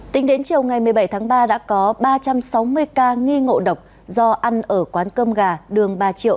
tính đến chiều ngày một mươi bảy tháng ba đã có ba trăm sáu mươi ca nghi ngộ độc do ăn ở quán cơm gà đường ba triệu